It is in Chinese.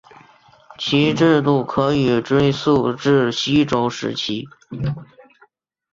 其制度可以追溯至西周时期。